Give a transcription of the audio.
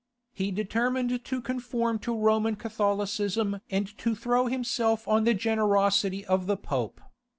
He determined to conform to Roman Catholicism and to throw himself on the generosity of the Pope.